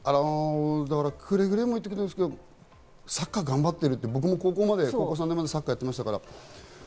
くれぐれも言っておくんですけど、サッカー頑張ってるって、僕も高校３年までサッカーやってましたから。